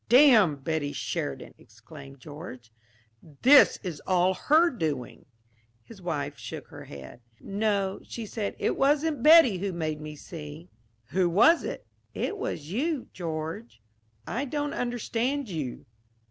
"Damn Betty Sheridan," exclaimed George. "This is all her doing." His wife shook her head. "No," she said, "it wasn't Betty who made me see." "Who was it?" "It was you, George." "I don't understand you."